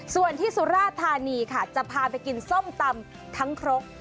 ส่วนที่สุราธานีค่ะจะพาไปกินส้มตำทั้งครก